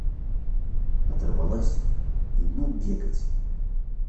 Оторвалась и ну бегать!